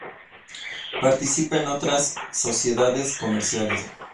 Participa en otras sociedades comerciales.